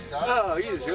いいですよ。